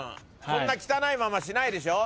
こんな汚いまましないでしょ？